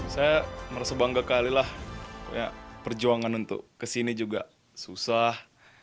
saya merasa bangga kali lah perjuangan untuk kesini juga susah